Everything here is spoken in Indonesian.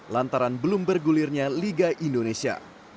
lantaran belum bergulirnya liga indonesia